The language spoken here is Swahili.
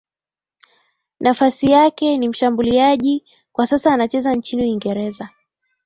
Nafasi yake ni mshambuliaji kwa sasa anacheza nchini Uingereza